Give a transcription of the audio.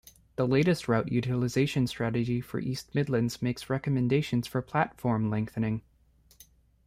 The latest Route Utilisation Strategy for the East Midlands makes recommendations for platform lengthening.